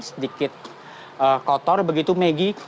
sedikit kotor begitu megi